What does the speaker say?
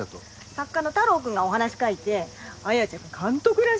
作家の太郎くんがお話書いて彩ちゃんが監督らしいわ。